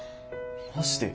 マジで？